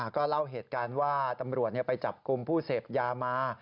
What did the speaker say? ก็เล่าเหตุการณ์ว่าตำรวจไปจับกลุ่มผู้เสพยามา